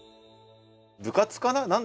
部活かな？